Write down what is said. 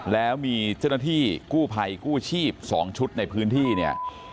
แล้วมีเจ้าหน้าที่กู้ภัยกู้ชีพ๒ชุดในพื้นที่เนี่ย